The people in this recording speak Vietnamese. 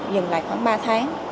dừng lại khoảng ba tháng